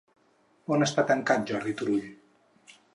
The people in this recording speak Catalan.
On està tancat Jordi Turull?